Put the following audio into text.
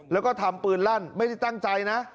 แล้วก็ทำปืนลั่นไม่ได้ตั้งใจนะ